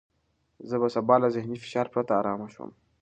زه به سبا له ذهني فشار پرته ارامه شوم.